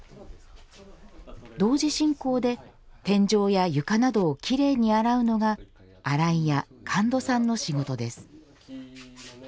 同時進行で、天井や床などをきれいに洗うのが洗い屋・神門さんの仕事です。